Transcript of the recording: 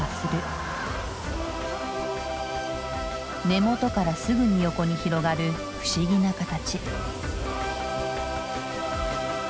根元からすぐに横に広がる不思議な形。